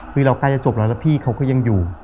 คือเราใกล้จะจบแล้วแล้วพี่เขาก็ยังอยู่